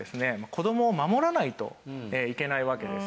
子供を守らないといけないわけです。